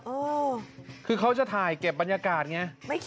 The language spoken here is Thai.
ประบบที่เขาจะถ่ายเก็บบรรยากาศไง